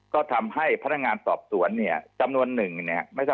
ก็ทำให้พนักงานสอบสวนเนี่ยจำนวนหนึ่งเนี่ย